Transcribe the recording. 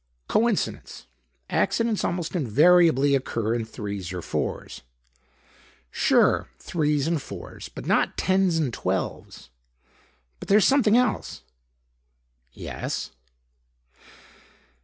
"Coincidence. Accidents almost invariably occur in threes or fours." "Sure; threes and fours, but not tens and twelves. But there's something else." "... yes?"